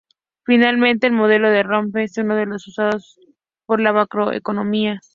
Finalmente, el modelo de Ramsey es uno de los más usados por la macroeconomía.